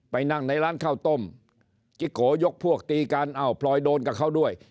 นั่งในร้านข้าวต้มจิโกยกพวกตีกันอ้าวพลอยโดนกับเขาด้วย